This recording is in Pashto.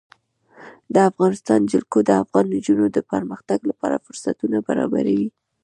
د افغانستان جلکو د افغان نجونو د پرمختګ لپاره فرصتونه برابروي.